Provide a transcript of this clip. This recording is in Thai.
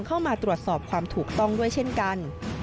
เข้ามาตรวจสอบความถูกต้องด้วยเช่นกัน